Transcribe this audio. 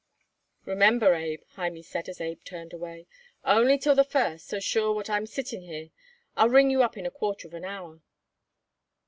"Remember, Abe," Hymie said as Abe turned away, "only till the first, so sure what I'm sitting here. I'll ring you up in a quarter of an hour."